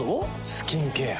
スキンケア。